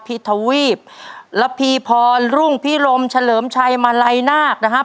ทวีประพีพรรุ่งพิรมเฉลิมชัยมาลัยนาคนะครับ